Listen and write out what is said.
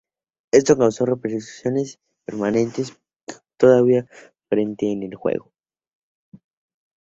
Esto causó repercusiones permanentes que todavía hacen frente en el juego.